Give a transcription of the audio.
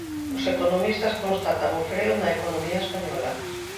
Os economistas constatan o freo na economía española.